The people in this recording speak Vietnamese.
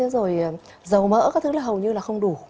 rồi dầu mỡ các thứ là hầu như là không đủ